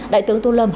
đại tướng tô lâm